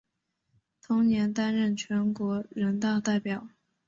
同年担任全国人大代表。